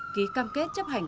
ký cam kết chấp hành xe